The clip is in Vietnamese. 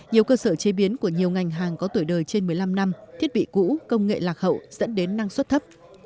nhiều cơ sở chế biến của nhiều ngành hàng có tuổi đời trên một mươi năm năm thiết bị cũ công nghệ lạc hậu dẫn đến năng suất thấp